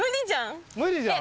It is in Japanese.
無理じゃん。